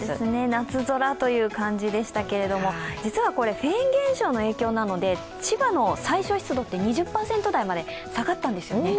夏空という感じでしたけれども、実はこれ、フェーン現象の影響なので、千葉の最少湿度って２０％台まで下がったんですよね。